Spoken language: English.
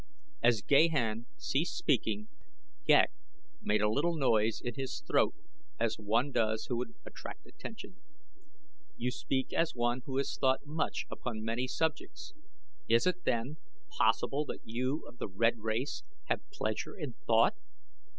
As Gahan ceased speaking Ghek made a little noise in his throat as one does who would attract attention. "You speak as one who has thought much upon many subjects. Is it, then, possible that you of the red race have pleasure in thought?